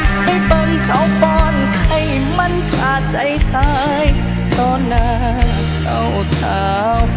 ให้เปิงเข้าปอนใครมันพาใจตายก็หนาเจ้าสาว